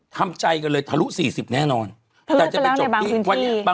ทำใจกันเลยทะลุสี่สิบแน่นอนทะลุไปแล้วในบางพื้นที่